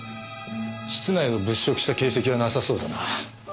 室内を物色した形跡はなさそうだな。